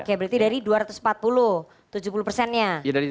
oke berarti dari dua ratus empat puluh tujuh puluh persennya